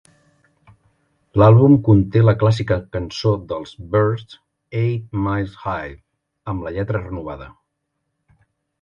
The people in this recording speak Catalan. L'àlbum conté la clàssica cançó dels Byrds "Eight Miles High", amb la lletra renovada.